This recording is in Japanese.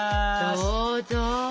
どうぞ。